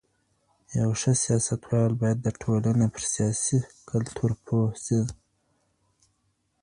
يو ښه سياستوال بايد د ټولنې پر سياسي کلتور پوه سي.